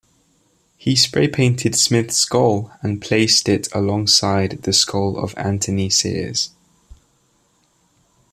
He spray-painted Smith's skull and placed it alongside the skull of Anthony Sears.